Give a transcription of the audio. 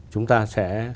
chúng ta sẽ